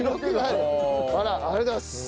あらっありがとうございます。